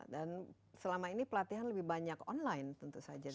dan selama ini pelatihan lebih banyak online tentu saja